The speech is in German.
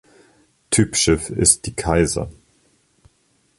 Typschiff ist die "Kaiser".